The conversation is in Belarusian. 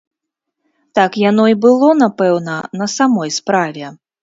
Так яно і было, напэўна, на самой справе.